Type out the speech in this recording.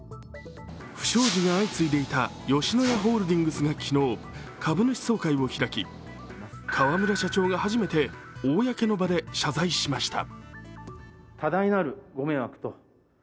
不祥事が相次いでいた吉野家ホールディングスが昨日、株主総会を開き河村社長が初めて公の場で謝罪しました。